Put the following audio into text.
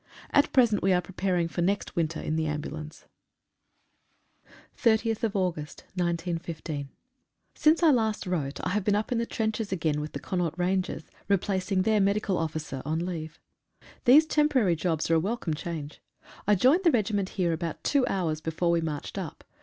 At present we are preparing for next winter in the ambu lance. <8> B <8> 30/8/15. INCE I last wrote I have been up in the trenches again with the Connaught Rangers, replacing their medical officer on leave. These temporary jobs are a welcome change. I joined the regiment here about two hours before we marched up.